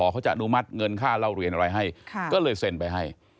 เขาจะอนุมัติเงินค่าเล่าเรียนอะไรให้ก็เลยเซ็นไปให้